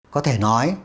có thể nói